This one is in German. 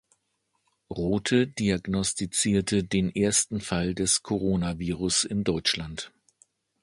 Rothe diagnostizierte den ersten Fall des Coronavirus in Deutschland.